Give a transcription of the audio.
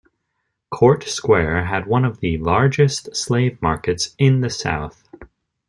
Court Square had one of the largest slave markets in the South.